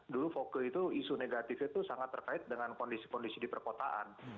dulu foke itu isu negatifnya itu sangat terkait dengan kondisi kondisi di perkotaan